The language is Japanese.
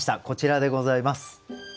こちらでございます。